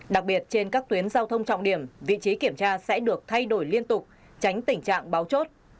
đặc biệt trên các tuyến giao thông trọng điểm vị trí kiểm tra sẽ được thay đổi liên tục tránh tình trạng báo chốt